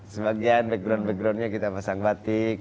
sebagian background backgroundnya kita pasang batik